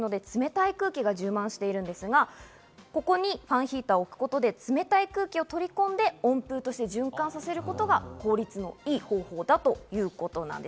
窓際は外気に面しているので、冷たい空気が充満しているんですが、ここにファンヒーターを置くことで冷たい空気を取り込んで、温風として循環させることが効率の良い方法だということです。